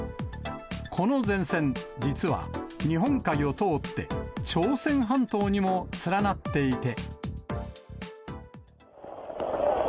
この前線、実は日本海を通って朝鮮半島にも連なっていて。